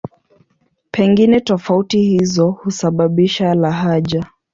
Pengine tofauti hizo husababisha lahaja.